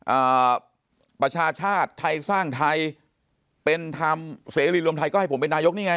อ่าประชาชาติไทยสร้างไทยเป็นธรรมเสรีรวมไทยก็ให้ผมเป็นนายกนี่ไง